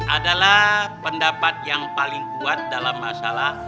adalah pendapat yang paling kuat dalam masalah